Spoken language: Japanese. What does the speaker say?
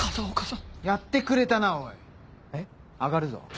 あがるぞ。